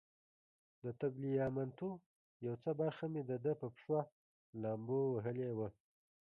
د تګلیامنتو یو څه برخه مې د ده په پښه لامبو وهلې وه.